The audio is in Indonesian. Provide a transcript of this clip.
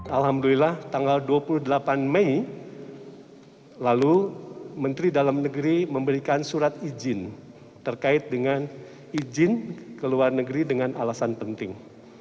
alhamdulillah tanggal dua puluh delapan mei lalu menteri dalam negeri memberikan surat izin terkait dengan izin ke luar negeri dengan alasan penting